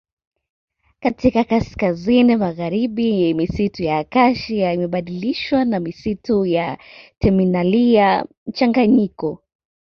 Katika kaskazini magharibi misitu ya Acacia imebadilishwa na misitu ya Terminalia mchanganyiko